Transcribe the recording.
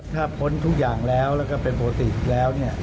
ถ้าพ้นทุกอย่างแล้วแล้วก็เป็นปกติแล้วเนี่ย